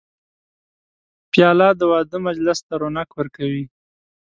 پیاله د واده مجلس ته رونق ورکوي.